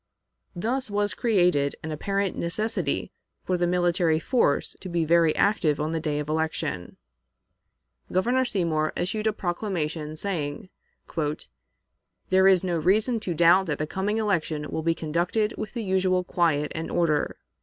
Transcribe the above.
Thus was created an apparent necessity for the military force to be very active on the day of election. Governor Seymour issued a proclamation, saying: "There is no reason to doubt that the coming election will be conducted with the usual quiet and order."